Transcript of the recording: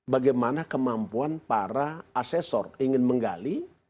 bagaimana kemampuan para asesor ingin menggali